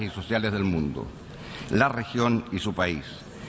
ขอบคุณครับ